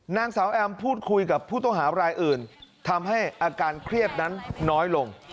นางสาวแอมพูดคุยกับผู้ต้องหารายอื่นทำให้อาการเครียดนั้นน้อยลง